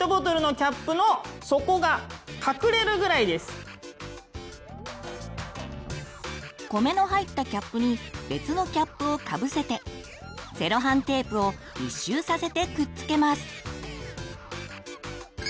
次は米の入ったキャップに別のキャップをかぶせてセロハンテープを１周させてくっつけます。